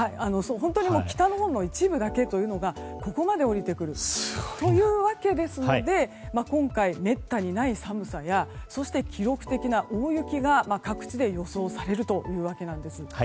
本当に北のほうの一部だけというのがここまで下りてくるというわけですので今回、めったにない寒さや記録的な大雪が各地で予想されるというわけなんです。